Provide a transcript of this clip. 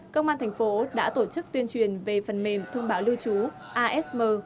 công an thành phố đã tổ chức tuyên truyền về phần mềm thông báo lưu trú asm